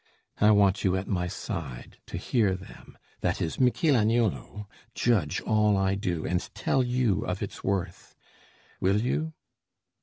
I want you at my side To hear them that is, Michel Agnolo Judge all I do and tell you of its worth. Will you?